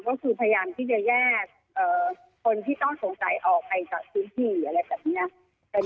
ก็คือพยายามที่จะแยกคนที่ต้องสงสัยออกไปจากพื้นที่อะไรแบบนี้